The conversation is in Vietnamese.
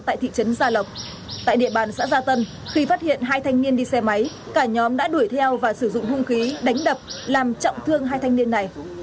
tại địa bàn xã gia tân khi phát hiện hai thanh niên đi xe máy cả nhóm đã đuổi theo và sử dụng hùng khí đánh đập làm trọng thương hai thanh niên này